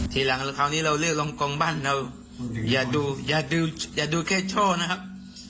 ทีหลังคราวนี้เราเลือกรองกงบ้านเราอย่าดูอย่าดูอย่าดูแค่ช่อนะครับ